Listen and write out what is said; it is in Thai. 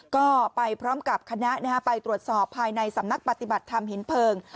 ก็ไปพร้อมกับคณะไปตรวจสอบภายในสำนักปฏิบัติธรรมหินเพลิง